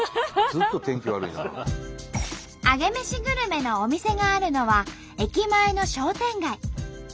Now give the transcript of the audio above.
アゲメシグルメのお店があるのは駅前の商店街。